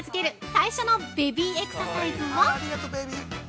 最初のベビーエクササイズは◆